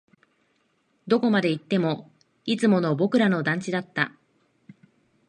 どこまで行っても、いつもの僕らの団地だった